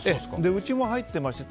うちも入ってますし。